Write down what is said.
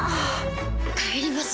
帰ります。